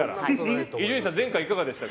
伊集院さん、前回いかがでしたか？